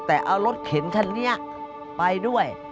แต่เอารถเข็นคันนี้ไปด้วย